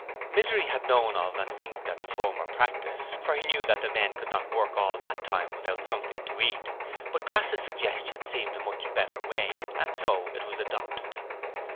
Misery had known of and winked at the former practice, for he knew that the men could not work all that time without something to eat, but Crass's suggestion seemed a much better way, and it was adopted.